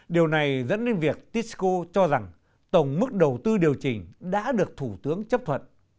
điều này dẫn đến việc tisco cho rằng tổng mức đầu tư điều chỉnh đã được thủ tướng chấp thuận